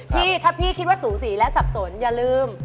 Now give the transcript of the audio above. พี่ถ้าพี่คิดว่าสูสีและสับสนอย่าลืม